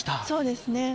そうですね。